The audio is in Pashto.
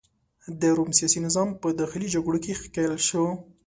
د روم سیاسي نظام په داخلي جګړو کې ښکیل شو.